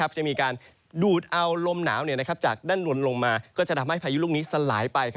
จะมีการดูดเอาลมหนาวจากด้านบนลงมาก็จะทำให้พายุลูกนี้สลายไป